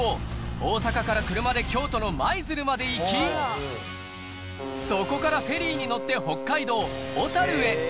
大阪から車で京都の舞鶴まで行き、そこからフェリーに乗って北海道小樽へ。